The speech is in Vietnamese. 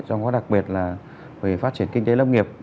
trong đó đặc biệt là về phát triển kinh tế lâm nghiệp